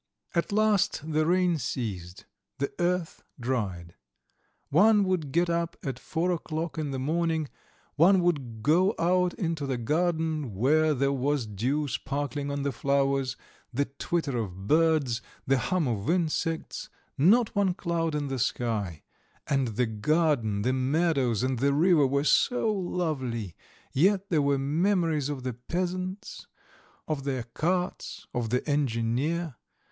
At last the rain ceased, the earth dried. One would get up at four o'clock in the morning; one would go out into the garden where there was dew sparkling on the flowers, the twitter of birds, the hum of insects, not one cloud in the sky; and the garden, the meadows, and the river were so lovely, yet there were memories of the peasants, of their carts, of the engineer.